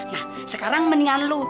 nah sekarang mendingan lo